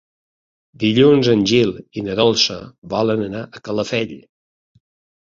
Dilluns en Gil i na Dolça volen anar a Calafell.